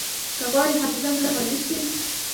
که غواړئ حافظه مو قوي شي.